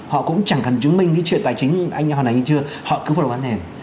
họ cũng chẳng cần chứng minh cái chuyện tài chính anh nhà họ này như chưa họ cứ phân đồ bán nền